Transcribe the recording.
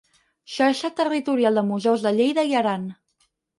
Xarxa territorial de Museus de Lleida i Aran.